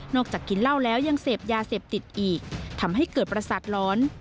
กินเหล้าแล้วยังเสพยาเสพติดอีกทำให้เกิดประสาทร้อน